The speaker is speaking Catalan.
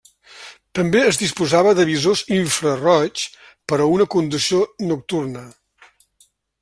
També es disposava de visors infraroigs per a conducció nocturna.